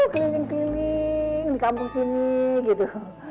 keliling keliling di kampung sini gitu